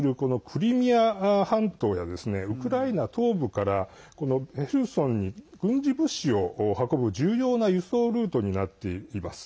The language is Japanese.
クリミア半島やウクライナ東部からヘルソンに軍事物資を運ぶ重要な輸送ルートになっています。